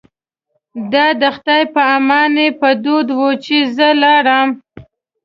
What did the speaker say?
دا د خدای په امانۍ په دود و چې زه لاړم.